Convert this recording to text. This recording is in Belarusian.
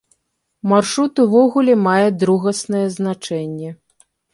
Маршрут увогуле мае другаснае значэнне.